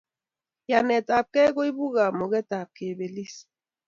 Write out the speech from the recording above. Yanetap kei koipu kamuketap kepelis